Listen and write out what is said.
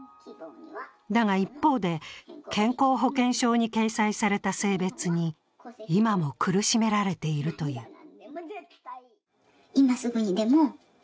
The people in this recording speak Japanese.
だが一方で、健康保険証に掲載された性別に今も苦しめられているという。